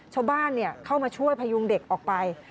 ชาวบ้านเข้ามาช่วยพยุงเด็กออกไป